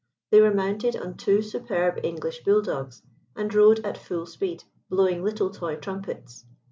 They were mounted on two superb English bull dogs, and rode at full speed, blowing little toy trumpets.